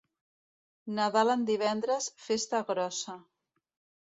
Nadal en divendres, festa grossa.